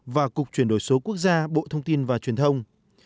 và cục chuyển đổi số quốc gia bộ thông tin và truyền thông